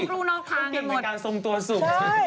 รูนกลิ่นในการทรงตัวสุข